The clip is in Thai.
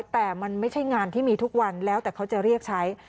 แต่มันไม่ใช่งานที่มีทุกวันแล้วแต่เขาจะเรียกใช้